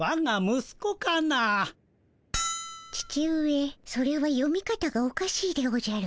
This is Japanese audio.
父上それは読み方がおかしいでおじゃる。